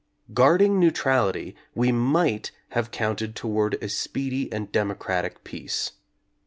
Guarding neutrality, we might have counted to ward a speedy and democratic peace.